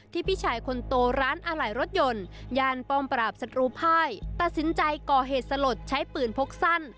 พี่ชายคนโตร้านอะไหล่รถยนต์ย่านป้องปราบศัตรูภายตัดสินใจก่อเหตุสลดใช้ปืนพกสั้น